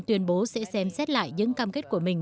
tuyên bố sẽ xem xét lại những cam kết của mình